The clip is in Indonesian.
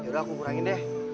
yaudah aku kurangin deh